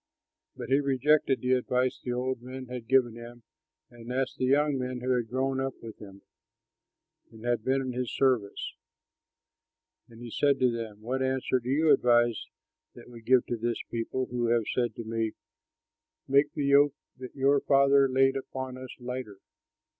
But he rejected the advice which the old men had given him and asked the young men who had grown up with him and had been in his service. And he said to them, "What answer do you advise that we give to this people who have said to me, 'Make the yoke that your father laid upon us lighter'?"